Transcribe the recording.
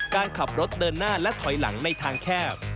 การขับรถเดินหน้าและถอยหลังในทางแคบ